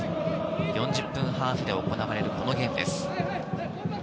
４０分ハーフで行われるこのゲームです。